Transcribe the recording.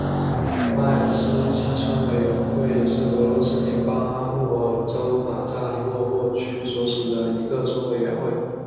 迈斯基村委员会是俄罗斯联邦阿穆尔州马扎诺沃区所属的一个村委员会。